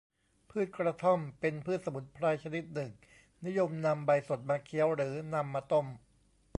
พืชกระท่อม เป็นพืชสมุนไพรชนิดหนึ่ง นิยมนำใบสดมาเคี้ยว หรือนำมาต้ม